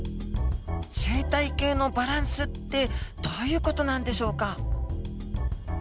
生態系のバランスってどういう事なんでしょうか？